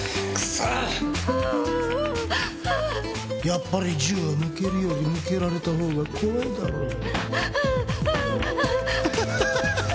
やっぱり銃は向けるより向けられたほうが怖いだろう？